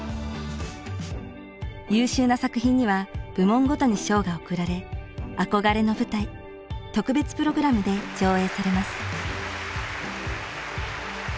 優秀な作品には部門ごとに賞が贈られ憧れの舞台特別プログラムで上演されます。